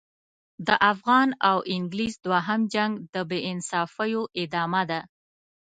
د افغان او انګلیس دوهم جنګ د بې انصافیو ادامه ده.